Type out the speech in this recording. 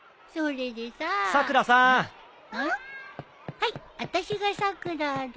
はいあたしがさくらで。